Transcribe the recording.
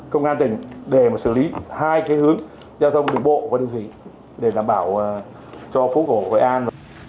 công an tỉnh để mà xử lý hai cái hướng giao thông đường bộ và đường thủy để đảm bảo cho phố cổ hội an